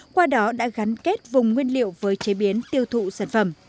qua đó đã gắn kết vùng nguyên liệu với chế biến tiêu thụ sản phẩm